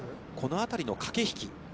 このあたりの駆け引き。